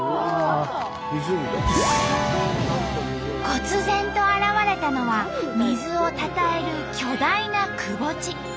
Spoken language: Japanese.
こつ然と現れたのは水をたたえる巨大な窪地。